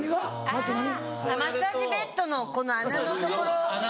あぁマッサージベッドのこの穴の所。